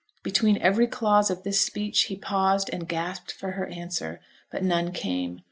Between every clause of this speech he paused and gasped for her answer; but none came.